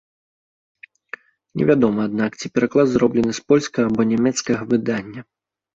Невядома, аднак, ці пераклад зроблены з польскага або нямецкага выдання.